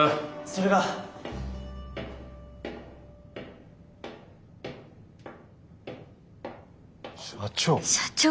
それが。社長！？